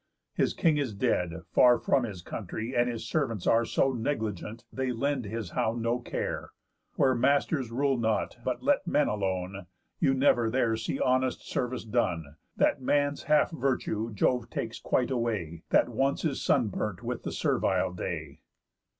His king is dead, Far from his country; and his servants are So negligent they lend his hound no care. _Where masters rule not, but let men alone, You never there see honest service done. That man's half virtue Jove takes quite away, That once is sun burnt with the servile day."